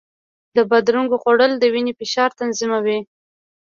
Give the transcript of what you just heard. د بادرنګو خوړل د وینې فشار تنظیموي.